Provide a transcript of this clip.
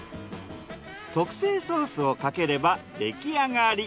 特製ソースをかければ出来上がり。